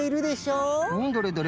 うんどれどれ？